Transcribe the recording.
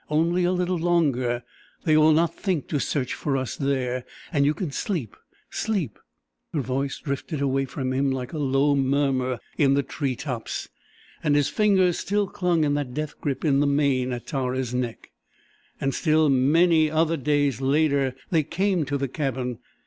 "Only a little longer! They will not think to search for us there, and you can sleep sleep...." Her voice drifted away from him like a low murmur in the tree tops and his fingers still clung in that death grip in the mane at Tara's neck. And still many other days later they came to the cabin.